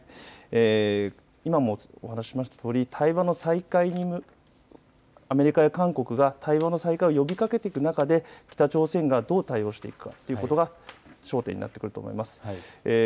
今もお話ししましたとおりアメリカや韓国が対話の再開を呼びかけている中で北朝鮮がどう対応していくかということが焦点になってくると思います。